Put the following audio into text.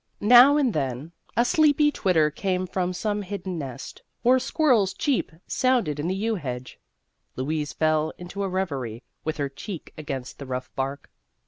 Now and then a sleepy twitter came from some hidden nest, or a squir rel's ".cheep" sounded in the yew hedge. Louise fell into a reverie with her cheek against the rough bark.